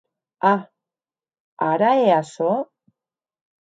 A!, ara hè açò?